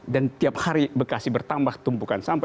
dan tiap hari bekasi bertambah tumpukan sampah